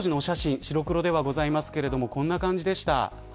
白黒ではございますがこんな感じでした。